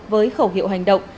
với khẩu hiệu hành động